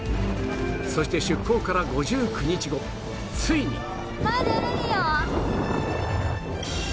そして出港から５９日後ついに